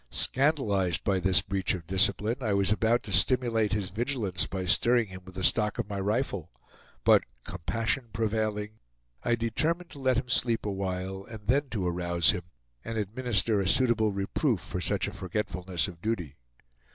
Scandalized by this breach of discipline, I was about to stimulate his vigilance by stirring him with the stock of my rifle; but compassion prevailing, I determined to let him sleep awhile, and then to arouse him, and administer a suitable reproof for such a forgetfulness of duty.